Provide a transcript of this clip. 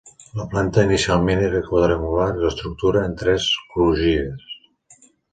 La planta inicialment era quadrangular i l'estructura en tres crugies.